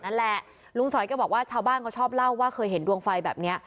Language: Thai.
นั่นแหละลุงสอยก็บอกว่าชาวบ้านเขาชอบเล่าว่าเคยเห็นดวงไฟแบบนี้